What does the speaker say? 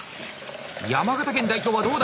山形県代表はどうだ。